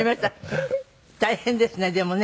大変ですねでもね